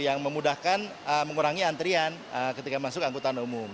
yang memudahkan mengurangi antrian ketika masuk angkutan umum